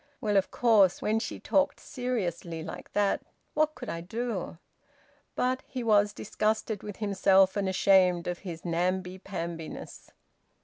Well, of course, when she talked seriously like that, what could I do?" But he was disgusted with himself and ashamed of his namby pambiness.